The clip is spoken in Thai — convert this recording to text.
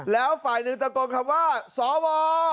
แล้วฝ่ายหนึ่งตะโกนคำว่าสว